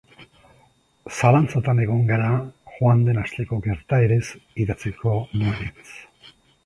Zalantzatan egon gara joan den asteko gertaerez idatziko nuenentz.